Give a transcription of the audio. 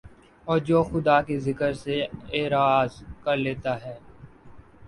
اور جو خدا کے ذکر سے اعراض کر لیتا ہے